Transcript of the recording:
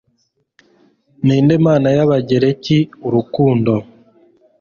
Ninde Mana y'Abagereki Urukundo